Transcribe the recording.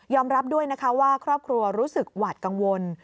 รับด้วยนะคะว่าครอบครัวรู้สึกหวาดกังวล